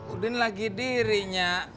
udin lagi diri nyak